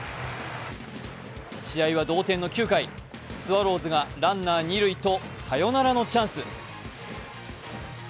試合は同点の９回、スワローズがランナー二塁とサヨナラのチャンス。